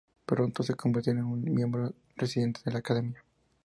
Pronto se convertiría en un miembro disidente de la Academia.